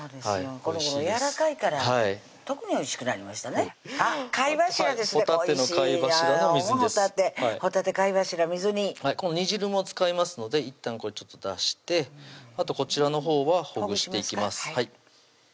おいしいなほたて貝柱水煮この煮汁も使いますのでいったんこれちょっと出してあとこちらのほうはほぐしていきます